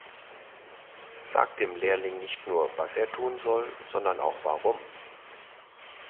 Sag dem Lehrling nicht nur, was er tun soll, sondern auch warum.